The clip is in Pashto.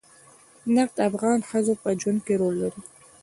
نفت د افغان ښځو په ژوند کې رول لري.